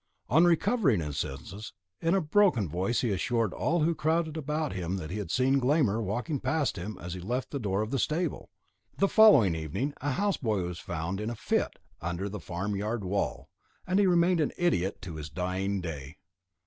On recovering his senses, in a broken voice he assured all who crowded about him that he had seen Glámr walking past him as he left the door of the stable. On the following evening a houseboy was found in a fit under the farmyard wall, and he remained an idiot to his dying day.